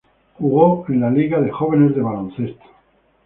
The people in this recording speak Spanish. Él jugó en la liga de jóvenes de baloncesto.